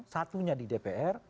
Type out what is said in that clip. satunya di dpr